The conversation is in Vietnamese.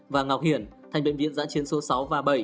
và ngọc hiển thành bệnh viện giã chiến số sáu và bảy